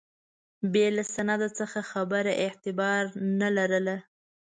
بې له سند څخه خبره اعتبار نه لرله.